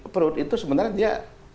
perut itu sebenarnya dia